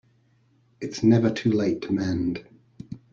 It's never too late to mend.